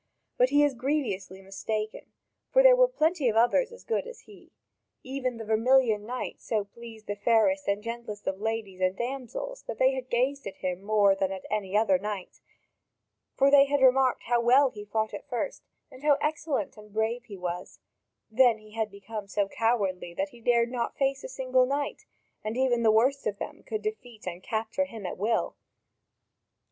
But he is grievously mistaken, for there were plenty of others as good as he. Even the vermilion knight so pleased the fairest and gentlest of the ladies and damsels that they had gazed at him more than at any other knight, for they had remarked how well he fought at first, and how excellent and brave he was; then he had become so cowardly that he dared not face a single knight, and even the worst of them could defeat and capture him at will.